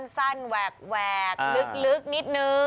สั้นแหวกลึกนิดนึง